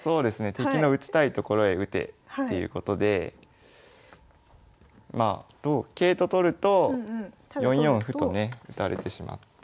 「敵の打ちたいところへ打て」っていうことでまあ同桂と取ると４四歩とね打たれてしまって。